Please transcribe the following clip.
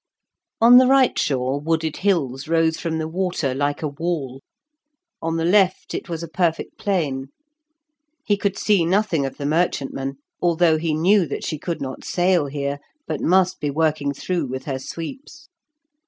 On the right shore, wooded hills rose from the water like a wall; on the left, it was a perfect plain. He could see nothing of the merchantman, although he knew that she could not sail here, but must be working through with her sweeps.